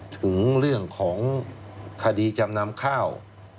ถึงเรื่องของคดีจำนำข้าว